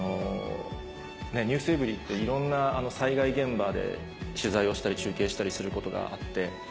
『ｎｅｗｓｅｖｅｒｙ．』っていろんな災害現場で取材をしたり中継したりすることがあって。